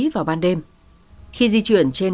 vào ban đêm khi di chuyển trên